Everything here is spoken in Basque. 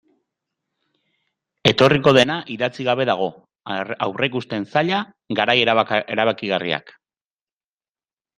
Etorriko dena idatzi gabe dago, aurreikusten zaila, garai erabakigarriak...